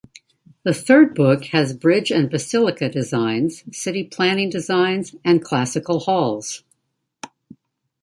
The third book has bridge and basilica designs, city planning designs, and classical halls.